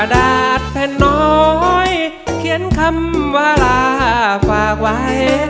ดาดแผ่นน้อยเขียนคำวาลาฝากไว้